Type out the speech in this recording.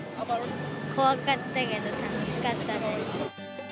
怖かったけど、楽しかったです。